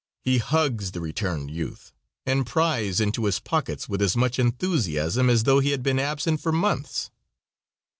He hugs the returned youth, and pries into his pockets with as much enthusiasm as though he had been absent for months.